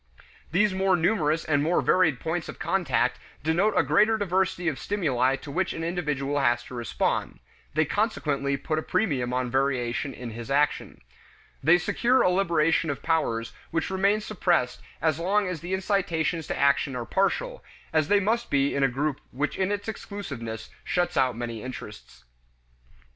These more numerous and more varied points of contact denote a greater diversity of stimuli to which an individual has to respond; they consequently put a premium on variation in his action. They secure a liberation of powers which remain suppressed as long as the incitations to action are partial, as they must be in a group which in its exclusiveness shuts out many interests.